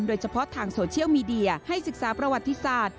โดยเฉพาะทางโซเชียลมีเดียให้ศึกษาประวัติศาสตร์